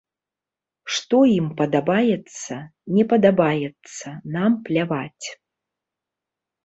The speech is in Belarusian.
Што ім падабаецца, не падабаецца, нам пляваць.